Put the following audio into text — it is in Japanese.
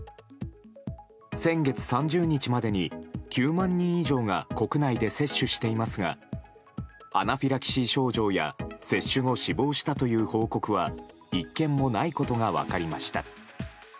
先月３０日までに９万人以上が国内で接種していますがアナフィラキシー症状や接種後、死亡したという報告は１件もないことが分かりました。